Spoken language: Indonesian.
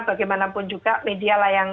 bagaimanapun juga media lah yang